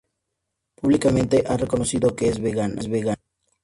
Públicamente ha reconocido que es vegana.